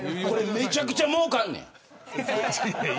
これ、めちゃくちゃもうかんねん。